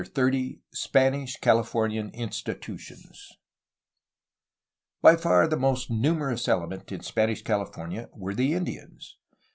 CHAPTER XXX SPANISH CALIFORNIAN INSTITUTIONS By far the most numerous element in Spanish California were the Indians.